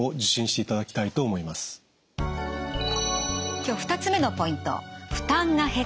今日２つ目のポイント。